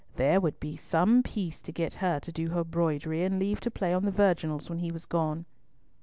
There would be some peace to get to do her broidery, and leave to play on the virginals when he was gone."